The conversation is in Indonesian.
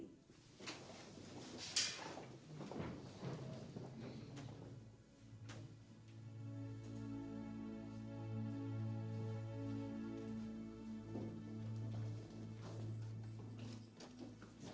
boleh saya mengambil dua orang kuasai dulu pak